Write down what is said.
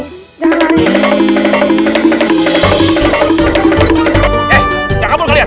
eh jangan kabur kalian